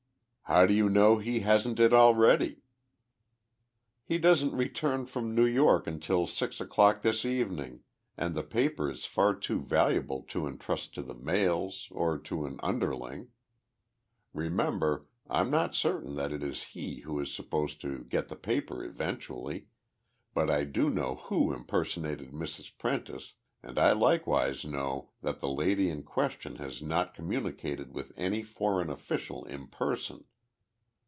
"How do you know he hasn't it already?" "He doesn't return from New York until six o'clock this evening, and the paper is far too valuable to intrust to the mails or to an underling. Remember, I'm not certain that it is he who is supposed to get the paper eventually, but I do know who impersonated Mrs. Prentice, and I likewise know that the lady in question has not communicated with any foreign official in person.